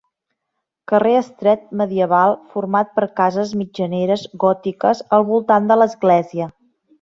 Carrer estret medieval format per cases mitjaneres gòtiques al voltant de l'església.